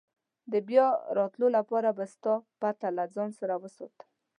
د بیا راتلو لپاره به ستا پته له ځان سره وساتم.